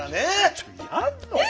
ちょっとやんの？